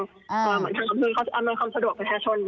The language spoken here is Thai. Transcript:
เพราะว่าเหมือนทำบัตรใหม่เขาจะอำนวยความสะดวกประชาชน